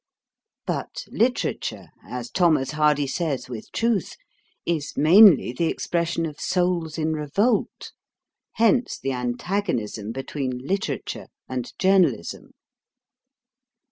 But literature, as Thomas Hardy says with truth, is mainly the expression of souls in revolt. Hence the antagonism between literature and journalism.